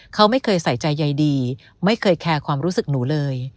เขาไม่เคยใส่ใจใยดีไม่เคยแคร์ความรู้สึกหนูเลย